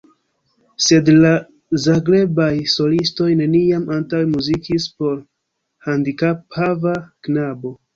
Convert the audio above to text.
Sed la Zagrebaj solistoj neniam antaŭe muzikis por handikaphava knabo.